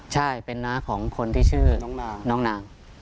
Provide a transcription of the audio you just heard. ใช่เป็นน้าของคนที่ชื่อน้องนาง